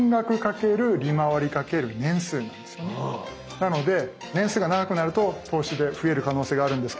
なので年数が長くなると投資で増える可能性があるんですけど。